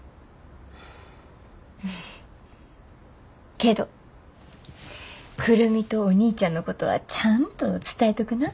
けど久留美とお兄ちゃんのことはちゃんと伝えとくな。